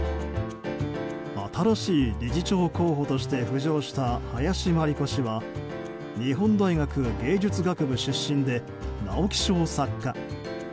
新しい理事長候補として浮上した林真理子氏は日本大学芸術学部出身で直木賞作家。